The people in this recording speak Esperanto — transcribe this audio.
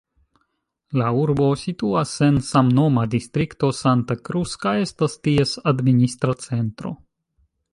La urbo situas en samnoma distrikto Santa Cruz kaj estas ties administra centro.